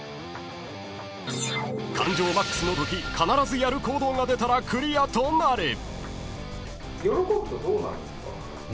［感情マックスのとき必ずやる行動が出たらクリアとなる］